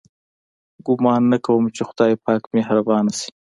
ګومان نه کوم چې خدای پاک مهربانه شي.